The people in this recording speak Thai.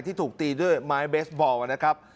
ที่ถูกตีด้วยไม้เบสบอลนะครับ